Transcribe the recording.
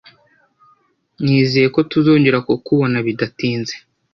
Nizeye ko tuzongera kukubona bidatinze.